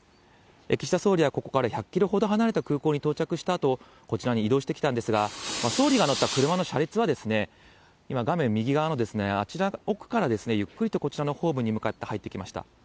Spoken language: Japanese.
岸田総理はここから１００キロほど離れた空港に到着したあと、こちらに移動してきたんですが、総理が乗った車の車列は、今画面右側のあちら奥から、ゆっくりとこちらのホームに向かって入ってきました。